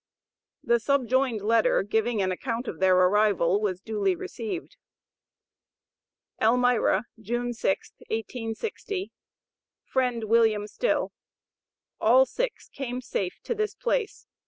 The subjoined letter giving an account of their arrival was duly received: ELMIRA, June 6th, 1860. FRIEND WM. STILL: All six came safe to this place.